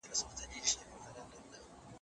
املا د وړتیاوو وسیله ده.